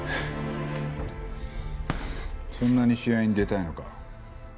そんなに試合に出たいのか。